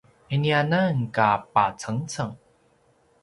iniananka pacengceng!